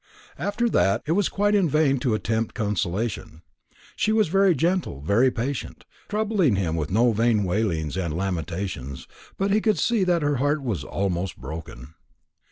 After that it was quite in vain to attempt consolation. She was very gentle, very patient, troubling him with no vain wailings and lamentations; but he could see that her heart was almost broken.